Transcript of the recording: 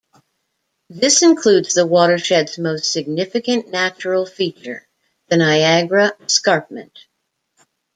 This includes the watershed's most significant natural feature, the Niagara Escarpment.